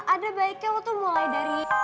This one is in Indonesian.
ada baiknya lo tuh